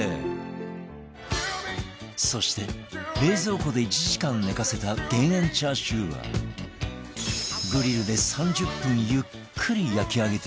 そして冷蔵庫で１時間寝かせた減塩チャーシューはグリルで３０分ゆっくり焼き上げていく